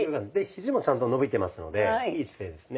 ひじもちゃんと伸びてますのでいい姿勢ですね。